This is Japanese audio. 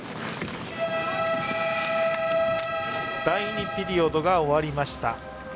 第２ピリオドが終わりました。